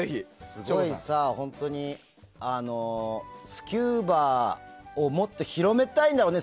すごい、スキューバをもっと広めたいんだろうね。